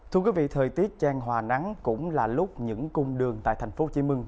thưa quý vị thời tiết trang hòa nắng cũng là lúc những cung đường tại thành phố hồ chí minh